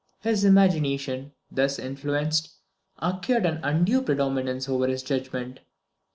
His imagination, thus influenced, acquired an undue predominance over his judgment.